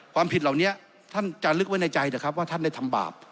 ความผิดเหล่านี้ท่านจะลึกไว้ในใจนะครับว่าท่านได้ทำบาป